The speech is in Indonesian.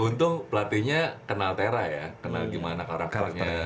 untung pelatihnya kenal tera ya kenal gimana karakternya